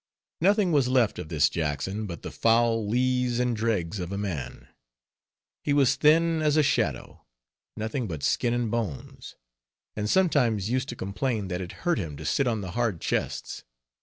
Nothing was left of this Jackson but the foul lees and dregs of a man; he was thin as a shadow; nothing but skin and bones; and sometimes used to complain, that it hurt him to sit on the hard chests.